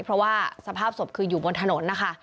เพราะว่าสภาพศพคืออยู่บนถนนนะคะ